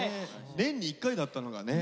年に一回だったのがね